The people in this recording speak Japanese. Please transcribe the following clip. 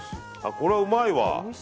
これはうまいわ。